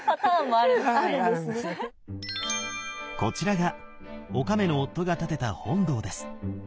こちらがおかめの夫が建てた本堂です。